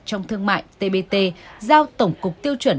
trong thương mại tbt giao tổng cục tiêu chuẩn